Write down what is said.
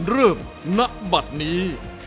เริ่มณบัดนี้